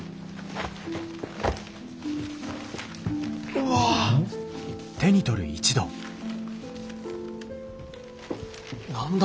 うわ！何だ？